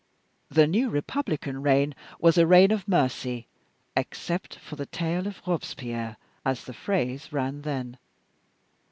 The new republican reign was a reign of mercy, except for the tail of Robespierre, as the phrase ran then.